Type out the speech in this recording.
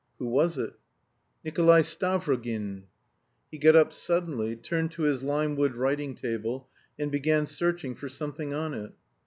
"Who was it?" "Nikolay Stavrogin." He got up suddenly, turned to his limewood writing table and began searching for something on it.